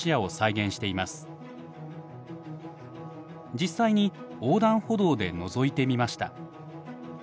実際に横断歩道でのぞいてみました。